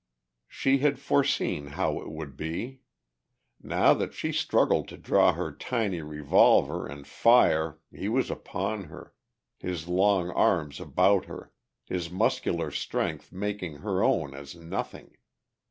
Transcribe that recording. She had foreseen how it would be. Now that she struggled to draw her tiny revolver and fire he was upon her, his long arms about her, his muscular strength making her own as nothing.